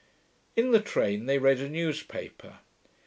In the train they read a newspaper.